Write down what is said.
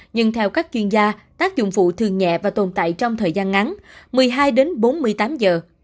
nhưng theo các chuyên gia tác dụng phụ thường nhẹ và tồn tại trong thời gian ngắn một mươi hai đến bốn mươi tám giờ